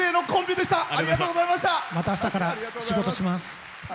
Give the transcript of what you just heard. またあしたから、仕事します。